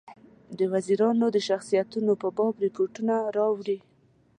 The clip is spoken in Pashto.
د وزیرانو د شخصیتونو په باب رپوټونه راوړي.